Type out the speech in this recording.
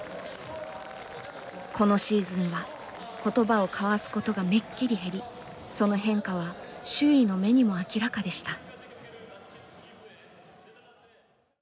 このシーズンは言葉を交わすことがめっきり減りその変化は周囲の目にも明らかでした。